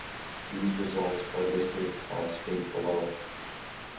These results are listed by state below.